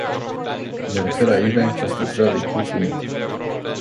Mă refer aici la infrastructura de chei publice.